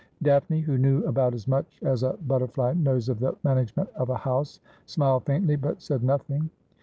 Daphne, who knew about as much as a butterfly knows of the management of a house, smiled faintly but said nothing.